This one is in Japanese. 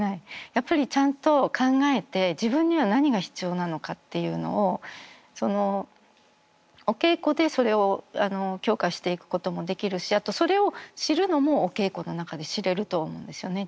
やっぱりちゃんと考えて自分には何が必要なのかっていうのをお稽古でそれを強化していくこともできるしあとそれを知るのもお稽古の中で知れると思うんですよね。